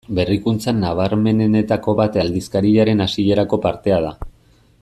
Berrikuntza nabarmenenetako bat aldizkariaren hasierako partea da.